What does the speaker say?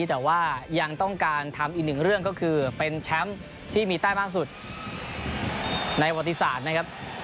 แต่ว่ายังต้องการทำอีกหนึ่งเรื่องก็คือเป็นแชมป์ที่มีแต้มมากสุดในประวัติศาสตร์นะครับ